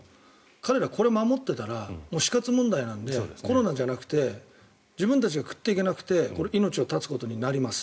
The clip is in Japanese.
彼らはこれを守っていたら死活問題なのでコロナじゃなくて自分たちが食っていけなくて命を絶つことになります。